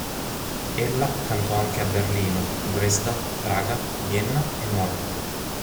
Ella cantò anche a Berlino, Dresda, Praga, Vienna e Monaco.